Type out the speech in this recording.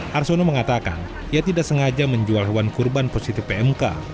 harsono mengatakan ia tidak sengaja menjual hewan kurban positif pmk